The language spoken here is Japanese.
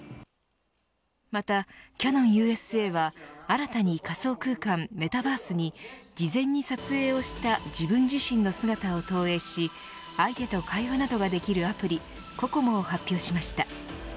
また、キヤノンＵＳＡは新たに仮想空間メタバースに事前に撮影をした自分自身の姿を投影し相手と会話などができるアプリＫｏｋｏｍｏを発表しました。